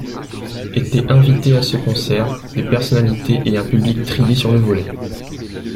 Étaient invités à ce concert, des personnalités et un public trié sur le volet.